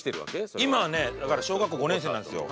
今はね小学校５年生なんですよ。